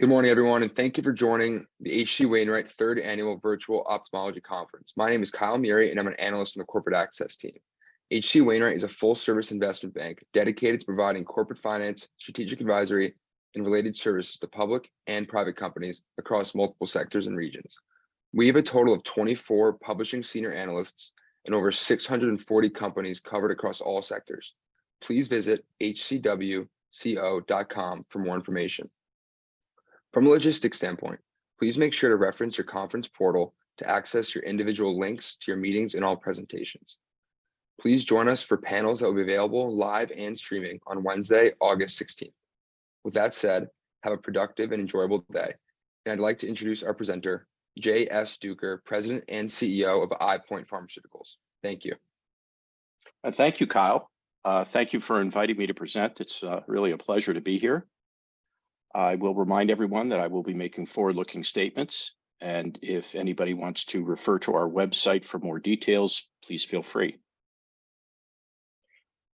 Good morning, everyone, thank you for joining the H.C. Wainwright Third Annual Virtual Ophthalmology Conference. My name is Kyle Meury, and I'm an analyst on the Corporate Access team. H.C. Wainwright is a full-service investment bank dedicated to providing corporate finance, strategic advisory, and related services to public and private companies across multiple sectors and regions. We have a total of 24 publishing senior analysts and over 640 companies covered across all sectors. Please visit hcwco.com for more information. From a logistics standpoint, please make sure to reference your conference portal to access your individual links to your meetings and all presentations. Please join us for panels that will be available live and streaming on Wednesday, August 16th. With that said, have a productive and enjoyable day. I'd like to introduce our presenter, Jay S. Duker, President and CEO of EyePoint Pharmaceuticals. Thank you. Thank you, Kyle. Thank you for inviting me to present. It's really a pleasure to be here. I will remind everyone that I will be making forward-looking statements, and if anybody wants to refer to our website for more details, please feel free.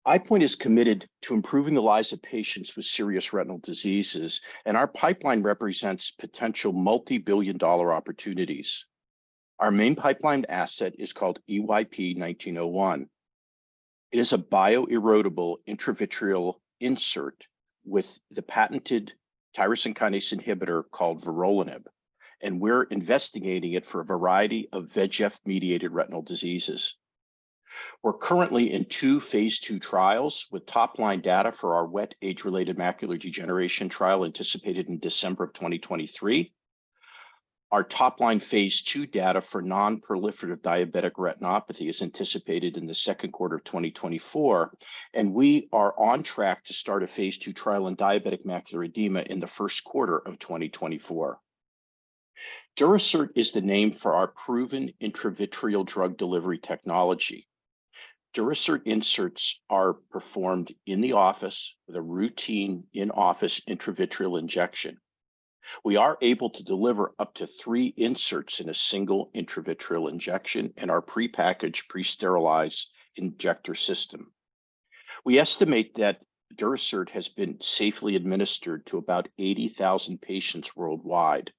EyePoint is committed to improving the lives of patients with serious retinal diseases, and our pipeline represents potential multi-billion dollar opportunities. Our main pipeline asset is called EYP-1901. It is a bioerodible intravitreal insert with the patented tyrosine kinase inhibitor called vorolanib, and we're investigating it for a variety of VEGF-mediated retinal diseases. We're currently in two Phase II trials, with top-line data for our wet age-related macular degeneration trial anticipated in December of 2023. Our top-line Phase II data for non-proliferative diabetic retinopathy is anticipated in the Q2 of 2024, and we are on track to start a Phase II trial in diabetic macular edema in the Q1 of 2024. Durasert is the name for our proven intravitreal drug delivery technology. Durasert inserts are performed in the office with a routine in-office intravitreal injection. We are able to deliver up to three inserts in a single intravitreal injection in our prepackaged, pre-sterilized injector system. We estimate that Durasert has been safely administered to about 80,000 patients worldwide.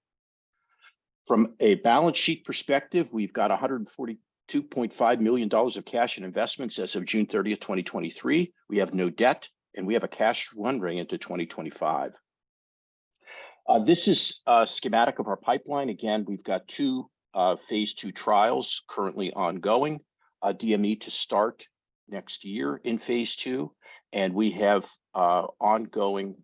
From a balance sheet perspective, we've got $142.5 million of cash and investments as of June 30th, 2023. We have no debt, and we have a cash run rate into 2025. This is a schematic of our pipeline. Again, we've got two Phase II trials currently ongoing, a DME to start next year in Phase II, and we have ongoing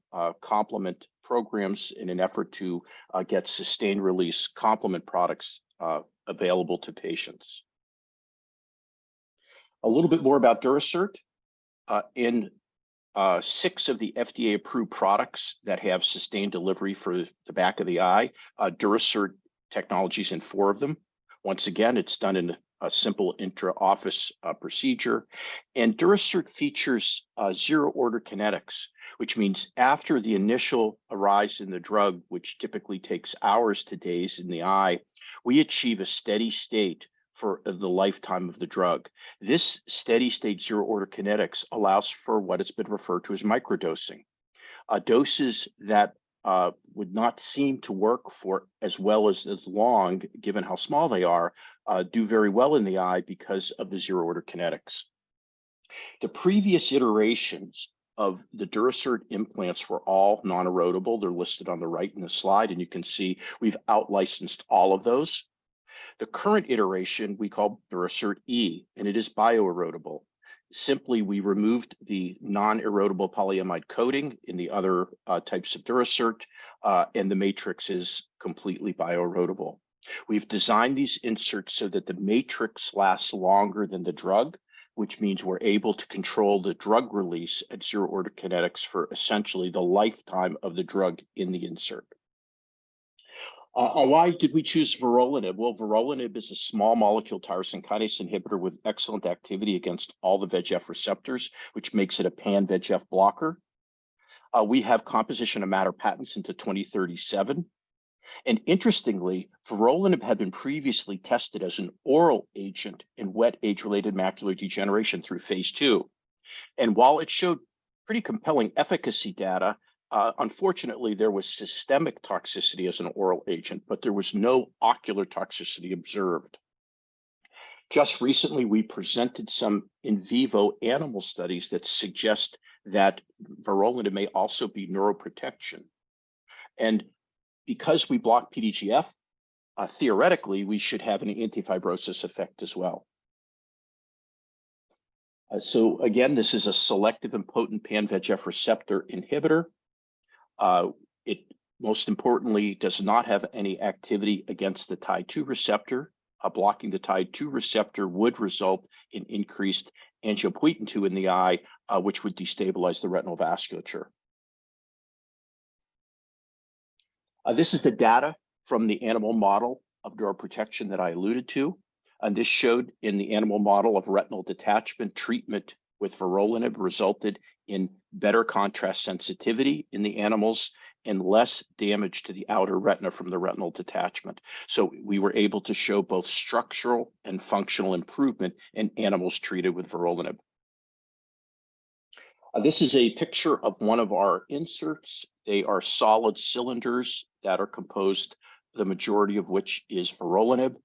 complement programs in an effort to get sustained-release complement products available to patients. A little bit more about Durasert. In six of the FDA-approved products that have sustained delivery for the back of the eye, Durasert technology is in four of them. Once again, it's done in a simple intraoffice procedure. Durasert features zero-order kinetics, which means after the initial rise in the drug, which typically takes hours to days in the eye, we achieve a steady state for the lifetime of the drug. This steady-state zero-order kinetics allows for what has been referred to as microdosing. Doses that would not seem to work for as well as, as long, given how small they are, do very well in the eye because of the zero-order kinetics. The previous iterations of the Durasert implants were all non-erodible. They're listed on the right in the slide, and you can see we've outlicensed all of those. The current iteration we call Durasert E, and it is bioerodible. Simply, we removed the non-erodible polyamide coating in the other types of Durasert, and the matrix is completely bioerodible. We've designed these inserts so that the matrix lasts longer than the drug, which means we're able to control the drug release at zero-order kinetics for essentially the lifetime of the drug in the insert. Why did we choose vorolanib? Well, Vorolanib is a small molecule tyrosine kinase inhibitor with excellent activity against all the VEGF receptors, which makes it a pan-VEGF blocker. We have composition of matter patents into 2037. Interestingly, vorolanib had been previously tested as an oral agent in wet age-related macular degeneration through Phase II. While it showed pretty compelling efficacy data, unfortunately, there was systemic toxicity as an oral agent, but there was no ocular toxicity observed. Just recently, we presented some in vivo animal studies that suggest that vorolanib may also be neuroprotective. Because we block PDGF, theoretically, we should have an anti-fibrosis effect as well. Again, this is a selective and potent pan-VEGF receptor inhibitor. It most importantly, does not have any activity against the Tie2 receptor. Blocking the Tie2 receptor would result in increased angiopoietin-2 in the eye, which would destabilize the retinal vasculature. This is the data from the animal model of neuroprotective that I alluded to. This showed in the animal model of retinal detachment, treatment with vorolanib resulted in better contrast sensitivity in the animals and less damage to the outer retina from the retinal detachment. We were able to show both structural and functional improvement in animals treated with vorolanib. This is a picture of one of our inserts. They are solid cylinders that are composed, the majority of which is vorolanib,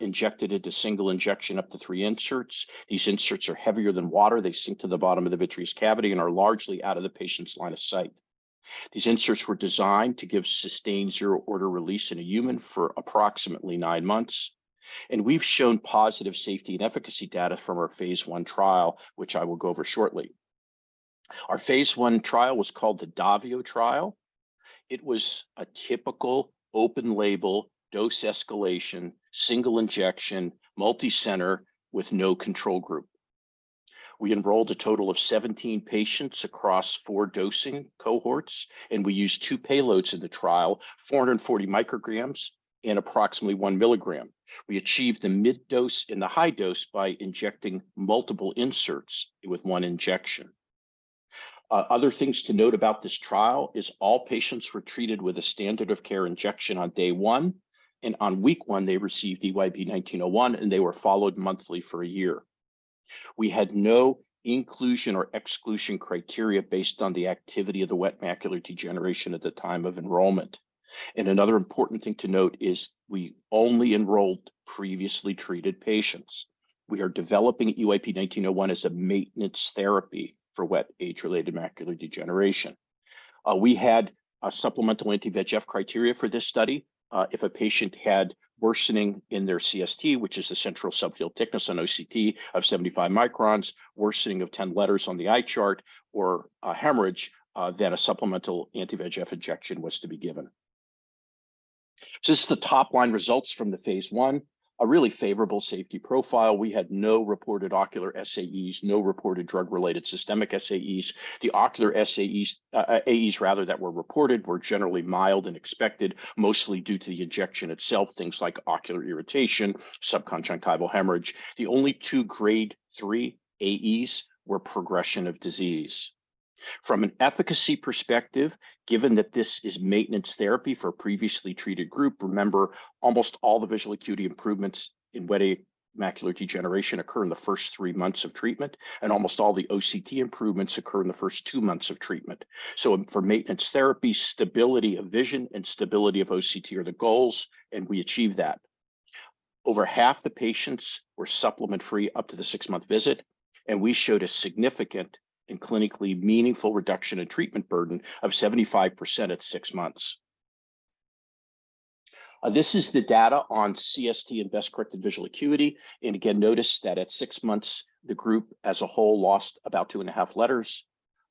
injected into single injection up to three inserts. These inserts are heavier than water. They sink to the bottom of the vitreous cavity and are largely out of the patient's line of sight. These inserts were designed to give sustained zero-order release in a human for approximately nine months, and we've shown positive safety and efficacy data from our Phase I trial, which I will go over shortly. Our Phase I trial was called the DAVIO trial. It was a typical open label, dose escalation, single injection, multicenter, with no control group. We enrolled a total of 17 patients across four dosing cohorts, and we used two payloads in the trial, 440 micrograms and approximately 1mg. We achieved the mid dose and the high dose by injecting multiple inserts with one injection. Other things to note about this trial is all patients were treated with a standard of care injection on day one, and on week one, they received EYP-1901, and they were followed monthly for one year. We had no inclusion or exclusion criteria based on the activity of the wet macular degeneration at the time of enrollment. Another important thing to note is we only enrolled previously treated patients. We are developing EYP-1901 as a maintenance therapy for wet age-related macular degeneration. We had a supplemental anti-VEGF criteria for this study. If a patient had worsening in their CST, which is a central subfield thickness on OCT of 75 microns, worsening of 10 letters on the eye chart or a hemorrhage, then a supplemental anti-VEGF injection was to be given. This is the top line results from the Phase I, a really favorable safety profile. We had no reported ocular SAEs, no reported drug-related systemic SAEs. The ocular SAEs, AEs rather, that were reported, were generally mild and expected, mostly due to the injection itself, things like ocular irritation, subconjunctival hemorrhage. The only two grade 3 AEs were progression of disease. From an efficacy perspective, given that this is maintenance therapy for a previously treated group, remember, almost all the visual acuity improvements in wet macular degeneration occur in the first three months of treatment, and almost all the OCT improvements occur in the first two months of treatment. For maintenance therapy, stability of vision and stability of OCT are the goals, and we achieve that. Over half the patients were supplement-free up to the six-month visit, and we showed a significant and clinically meaningful reduction in treatment burden of 75% at six months. This is the data on CST and best-corrected visual acuity, and again, notice that at six months, the group as a whole lost about 2.5 letters.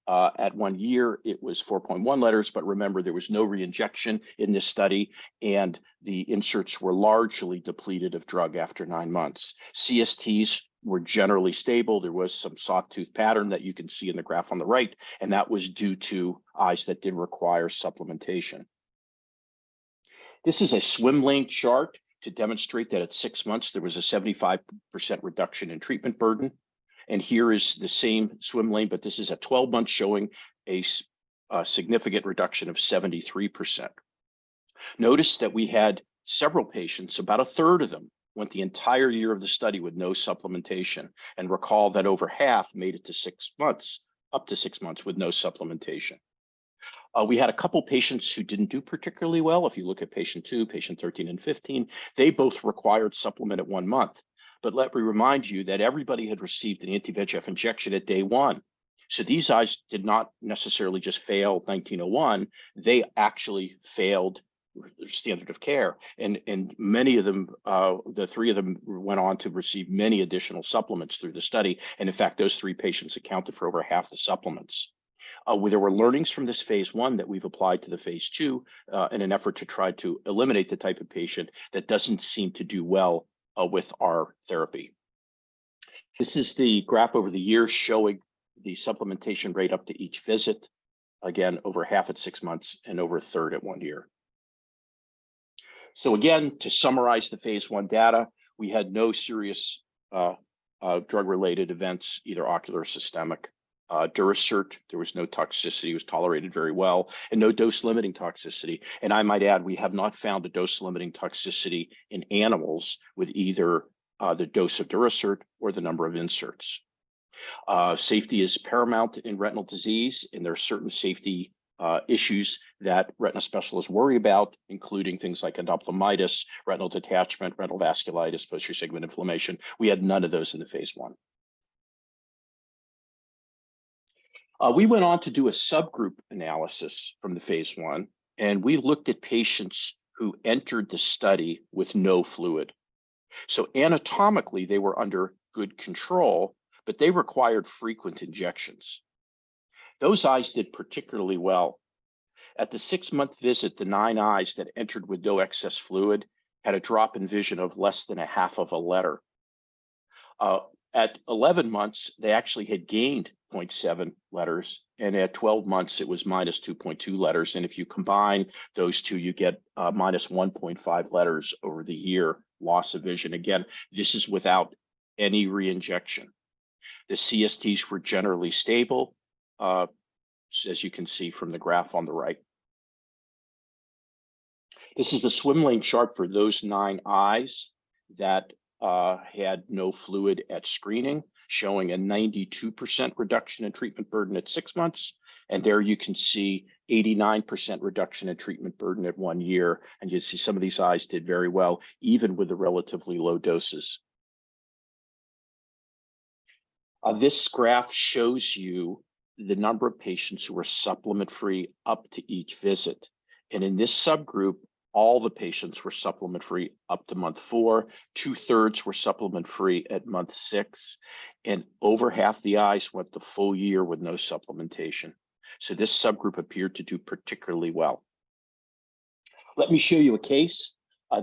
At one year, it was 4.1 letters. Remember, there was no re-injection in this study, and the inserts were largely depleted of drug after nine months. CSTs were generally stable. There was some sawtooth pattern that you can see in the graph on the right. That was due to eyes that did require supplementation. This is a swim lane chart to demonstrate that at six months, there was a 75% reduction in treatment burden. Here is the same swim lane. This is a 12-month showing a significant reduction of 73%. Notice that we had several patients, about a third of them, went the entire year of the study with no supplementation. Recall that over half made it to six months, up to six months with no supplementation. We had a couple patients who didn't do particularly well. If you look at patient two, patient 13 and 15, they both required supplement at one month. Let me remind you that everybody had received an anti-VEGF injection at day one. These eyes did not necessarily just fail 1901, they actually failed standard of care, and, and many of them, the three of them went on to receive many additional supplements through the study, and in fact, those three patients accounted for over half the supplements. There were learnings from this Phase I that we've applied to the Phase II in an effort to try to eliminate the type of patient that doesn't seem to do well with our therapy. This is the graph over the years showing the supplementation rate up to each visit. Again, over half at six months and over a third at one year. Again, to summarize the Phase I data, we had no serious drug-related events, either ocular or systemic. Durasert, there was no toxicity, it was tolerated very well, and no dose-limiting toxicity. I might add, we have not found a dose-limiting toxicity in animals with either the dose of Durasert or the number of inserts. Safety is paramount in retinal disease, and there are certain safety issues that retina specialists worry about, including things like endophthalmitis, retinal detachment, retinal vasculitis, posterior segment inflammation. We had none of those in the phase 1. We went on to do a subgroup analysis from the Phase I, and we looked at patients who entered the study with no fluid. Anatomically, they were under good control, but they required frequent injections. Those eyes did particularly well. At the six-month visit, the nine eyes that entered with no excess fluid had a drop in vision of less than 0.5 of a letter. At 11 months, they actually had gained 0.7 letters, and at 12 months, it was -2.2 letters. If you combine those two, you get -1.5 letters over the one year loss of vision. Again, this is without any re-injection. The CSTs were generally stable, as you can see from the graph on the right. This is the swim lane chart for those nine eyes that had no fluid at screening, showing a 92% reduction in treatment burden at six months. There you can see 89% reduction in treatment burden at one year, and you see some of these eyes did very well, even with the relatively low doses. This graph shows you the number of patients who were supplement-free up to each visit. In this subgroup, all the patients were supplement-free up to month four. Two-thirds were supplement-free at month six. Over half the eyes went the full year with no supplementation. This subgroup appeared to do particularly well. Let me show you a case.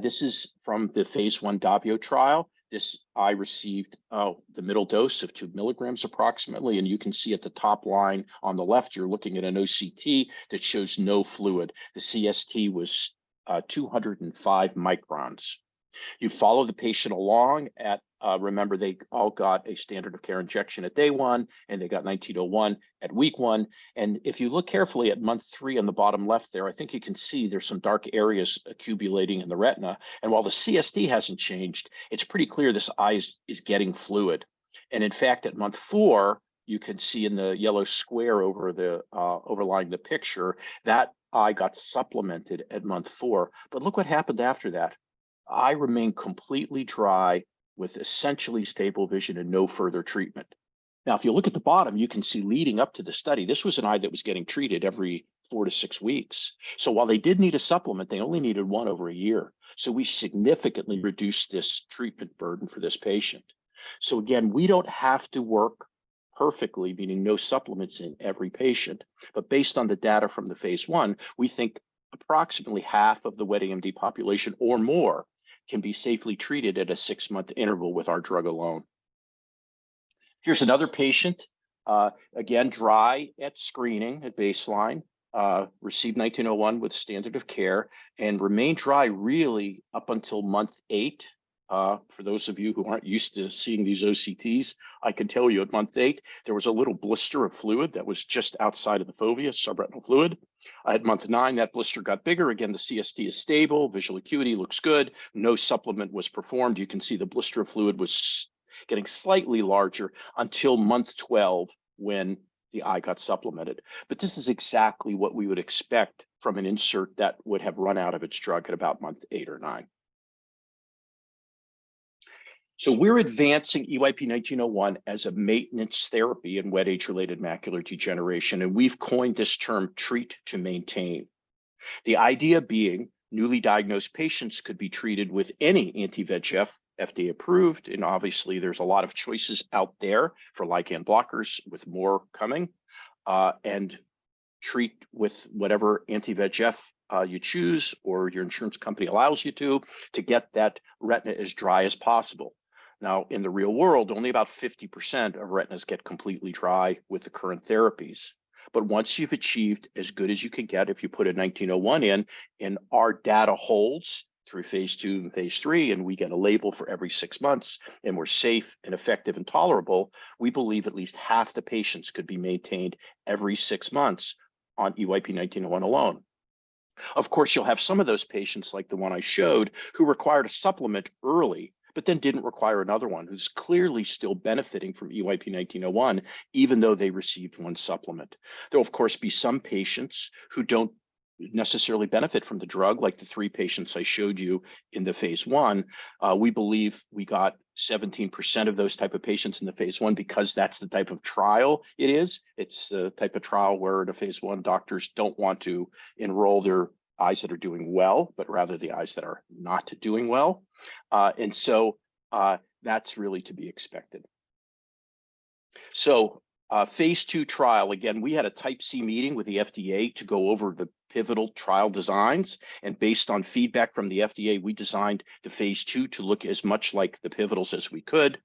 This is from the Phase I DAVIO trial. This eye received the middle dose of 2mg approximately, and you can see at the top line on the left, you're looking at an OCT that shows no fluid. The CST was 205 microns. You follow the patient along at, remember, they all got a standard of care injection at day one. They got EYP-1901 at week one. If you look carefully at month three on the bottom left there, I think you can see there's some dark areas accumulating in the retina. While the CST hasn't changed, it's pretty clear this eye is getting fluid. In fact, at month four, you can see in the yellow square over the overlying the picture, that eye got supplemented at month four. Look what happened after that. Eye remained completely dry with essentially stable vision and no further treatment. Now, if you look at the bottom, you can see leading up to the study, this was an eye that was getting treated every four-six weeks. While they did need a supplement, they only needed one over a year. We significantly reduced this treatment burden for this patient. Again, we don't have to work perfectly, meaning no supplements in every patient. Based on the data from the Phase I, we think approximately half of the wet AMD population or more can be safely treated at a six-month interval with our drug alone. Here's another patient, again, dry at screening, at baseline. Received EYP-1901 with standard of care and remained dry really up until month eight. For those of you who aren't used to seeing these OCTs, I can tell you at month eight, there was a little blister of fluid that was just outside of the fovea, subretinal fluid. At month nine, that blister got bigger. Again, the CST is stable, visual acuity looks good, no supplement was performed. You can see the blister of fluid was getting slightly larger until month 12, when the eye got supplemented. This is exactly what we would expect from an insert that would have run out of its drug at about month eight or nine. We're advancing EYP-1901 as a maintenance therapy in wet age-related macular degeneration, and we've coined this term Treat to Maintain. The idea being, newly diagnosed patients could be treated with any anti-VEGF, FDA-approved, and obviously, there's a lot of choices out there for like and blockers, with more coming, and treat with whatever anti-VEGF, you choose or your insurance company allows you to, to get that retina as dry as possible. Now, in the real world, only about 50% of retinas get completely dry with the current therapies. Once you've achieved as good as you can get, if you put a EYP-1901 in, and our data holds through Phase II and Phase III, and we get a label for every six months, and we're safe and effective and tolerable, we believe at least half the patients could be maintained every six months on EYP-1901 alone. Of course, you'll have some of those patients, like the one I showed, who required a supplement early, but then didn't require another one, who's clearly still benefiting from EYP-1901, even though they received one supplement. There will, of course, be some patients who don't necessarily benefit from the drug, like the three patients I showed you in the Phase I. We believe we got 17% of those type of patients in the Phase I because that's the type of trial it is. It's the type of trial where the Phase I doctors don't want to enroll their eyes that are doing well, but rather the eyes that are not doing well. That's really to be expected. Phase II trial, again, we had a Type C meeting with the FDA to go over the pivotal trial designs, and based on feedback from the FDA, we designed the Phase II to look as much like the pivotals as we could.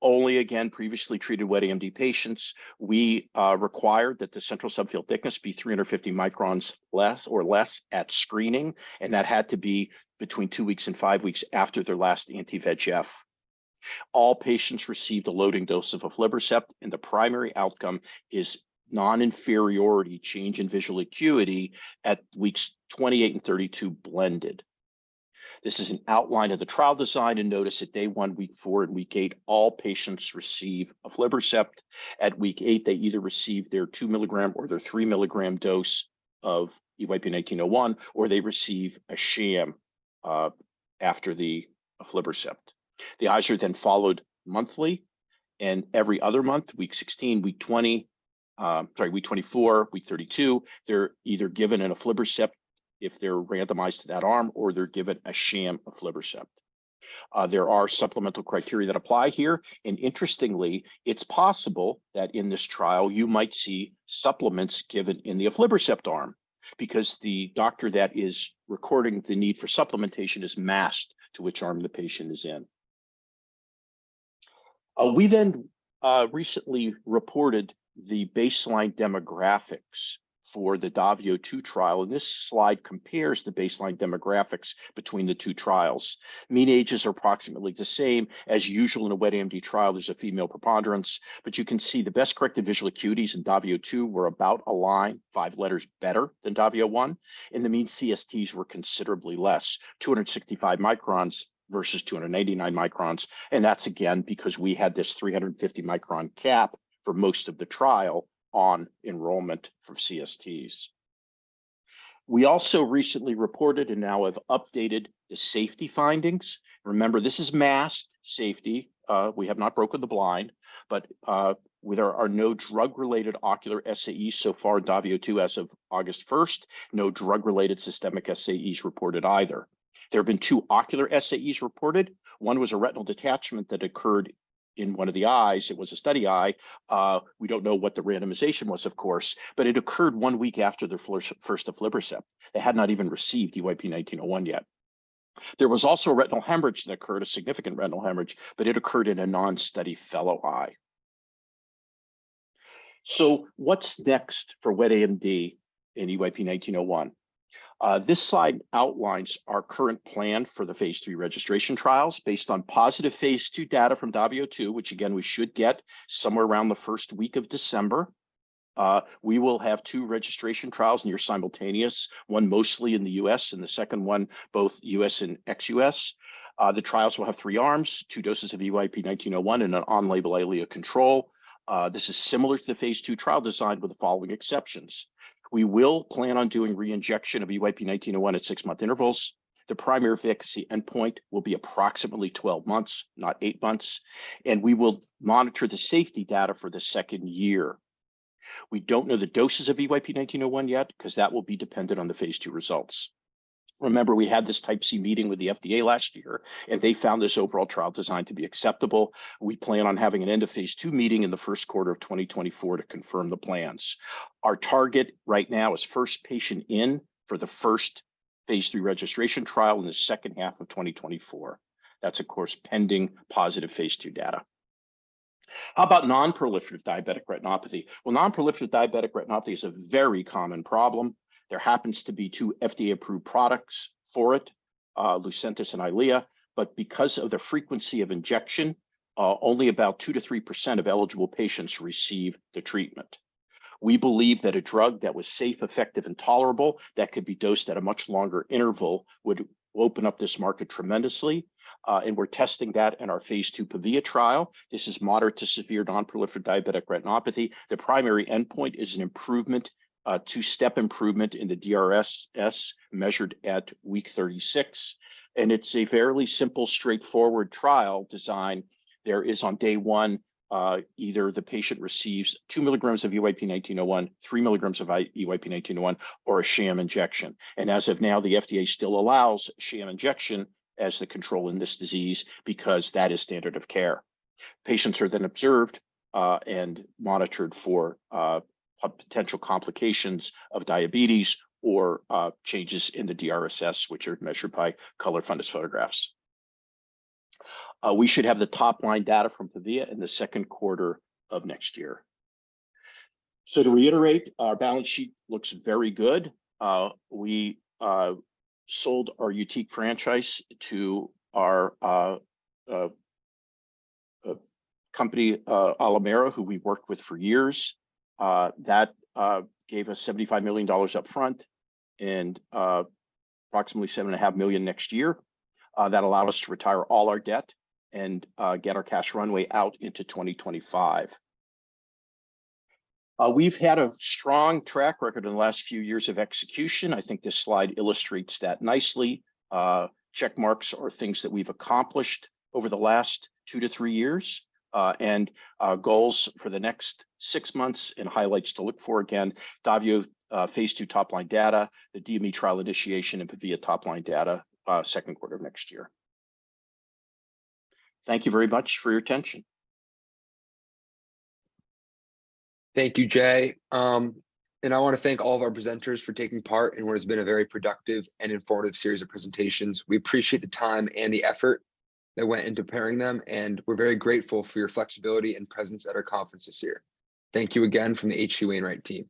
Only again, previously treated wet AMD patients, we required that the central subfield thickness be 350 microns less or less at screening, and that had to be between two weeks and five weeks after their last anti-VEGF. All patients received a loading dose of aflibercept, and the primary outcome is non-inferiority change in visual acuity at weeks 28 and 32 blended. This is an outline of the trial design. Notice at day one, week four, and week eight, all patients receive aflibercept. At week eight, they either receive their 2mg or their 3mg dose of EYP-1901, or they receive a sham after the aflibercept. The eyes are followed monthly and every other month, week 16, week 20, sorry, week 24, week 32, they're either given an aflibercept, if they're randomized to that arm, or they're given a sham aflibercept. There are supplemental criteria that apply here, and interestingly, it's possible that in this trial, you might see supplements given in the aflibercept arm, because the doctor that is recording the need for supplementation is masked to which arm the patient is in. We then recently reported the baseline demographics for the DAVIO 2 trial, this slide compares the baseline demographics between the two trials. Mean ages are approximately the same. As usual, in a wet AMD trial, there's a female preponderance, you can see the best-corrected visual acuities in DAVIO 2 were about a line, five letters better than DAVIO 1, the mean CSTs were considerably less, 265 microns versus 289 microns. That's again, because we had this 350Micron cap for most of the trial on enrollment for CSTs. We also recently reported, and now have updated, the safety findings. Remember, this is masked safety. We have not broken the blind, there are no drug-related ocular SAEs so far in DAVIO 2 as of August 1st. No drug-related systemic SAEs reported either. There have been two ocular SAEs reported. One was a retinal detachment that occurred in one of the eyes. It was a study eye. We don't know what the randomization was, of course, but it occurred one week after the first aflibercept. They had not even received EYP-1901 yet. There was also a retinal hemorrhage that occurred, a significant retinal hemorrhage, but it occurred in a non-study fellow eye. What's next for wet AMD in EYP-1901? This slide outlines our current plan for the Phase III registration trials based on positive Phase II data from DAVIO 2, which again, we should get somewhere around the first week of December. We will have two registration trials, near-simultaneous, one mostly in the U.S., and the second one, both U.S. and ex-U.S.. The trials will have three arms, two doses of EYP-1901, and an on-label EYLEA control. This is similar to the Phase II trial design with the following exceptions: We will plan on doing re-injection of EYP-1901 at six-month intervals. The primary efficacy endpoint will be approximately 12 months, not eight months, and we will monitor the safety data for the second year. We don't know the doses of EYP-1901 yet, because that will be dependent on the Phase II results. Remember, we had this Type C meeting with the FDA last year, they found this overall trial design to be acceptable. We plan on having an end-of-Phase II meeting in the Q1 of 2024 to confirm the plans. Our target right now is first patient in for the first Phase III registration trial in the H2 of 2024. That's, of course, pending positive Phase II data. How about non-proliferative diabetic retinopathy? Non-proliferative diabetic retinopathy is a very common problem. There happens to be 2 FDA-approved products for it, Lucentis and EYLEA, because of the frequency of injection, only about 2%-3% of eligible patients receive the treatment. We believe that a drug that was safe, effective, and tolerable, that could be dosed at a much longer interval, would open up this market tremendously. We're testing that in our Phase II PAVIA trial. This is moderate to severe non-proliferative diabetic retinopathy. The primary endpoint is an improvement, a 2-step improvement in the DRSS, measured at week 36, it's a fairly simple, straightforward trial design. There is, on day one, either the patient receives 2 milligrams of EYP-1901, 3 milligrams of EYP-1901, or a sham injection. As of now, the FDA still allows sham injection as the control in this disease because that is standard of care. Patients are then observed and monitored for potential complications of diabetes or changes in the DRSS, which are measured by color fundus photographs. We should have the top-line data from PAVIA in the Q2 of next year. To reiterate, our balance sheet looks very good. We sold our YUTIQ franchise to our company, Alimera, who we worked with for years. That gave us $75 million upfront and approximately $7.5 million next year. That allowed us to retire all our debt and get our cash runway out into 2025. We've had a strong track record in the last few years of execution. I think this slide illustrates that nicely. Check marks are things that we've accomplished over the last two to three years, and goals for the next six months and highlights to look for, again, DAVIO, phase II top-line data, the DME trial initiation, and PAVIA top-line data, Q2 of next year. Thank you very much for your attention. Thank you, Jay. I want to thank all of our presenters for taking part in what has been a very productive and informative series of presentations. We appreciate the time and the effort that went into preparing them, and we're very grateful for your flexibility and presence at our conference this year. Thank you again from the H.C. Wainwright team.